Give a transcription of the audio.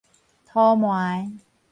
塗糜